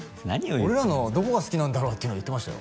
俺らのどこが好きなんだろうって言ってましたよ